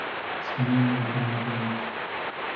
سپما مې د کورنۍ لپاره وکړه.